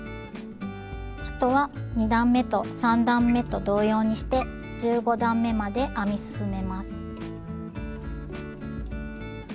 あとは２段めと３段めと同様にして１５段めまで編み進めます。